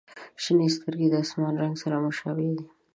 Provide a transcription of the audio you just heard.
• شنې سترګې د آسمان رنګ سره مشابه دي.